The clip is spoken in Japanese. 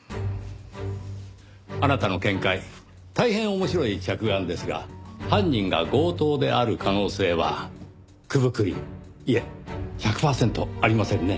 あなたの見解大変面白い着眼ですが犯人が強盗である可能性は九分九厘いえ１００パーセントありませんね。